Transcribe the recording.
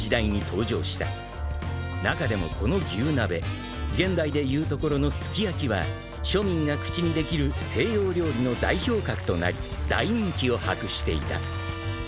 ［中でもこの牛鍋現代で言うところのすき焼きは庶民が口にできる西洋料理の代表格となり大人気を博していた］